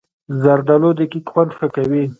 زردالو د کیک خوند ښه کوي.